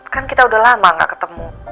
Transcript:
kan kita udah lama gak ketemu